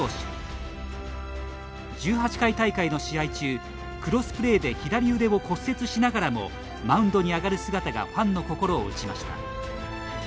１８回大会の試合中クロスプレーで左腕を骨折しながらもマウンドに上がる姿がファンの心を打ちました。